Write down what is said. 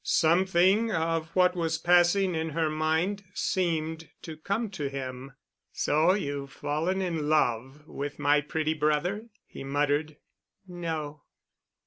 Something of what was passing in her mind seemed to come to him. "So you've fallen in love with my pretty brother?" he muttered. "No."